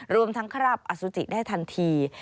รวมทั้งคราบอสุจิได้ทันที